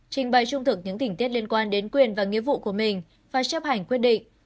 trình bày trung thực những tỉnh tiết liên quan đến quyền và nghĩa vụ của mình và chấp hành quyết định